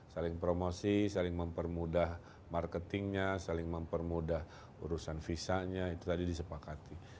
saling promosi saling mempermudah marketingnya saling mempermudah urusan visanya itu tadi disepakati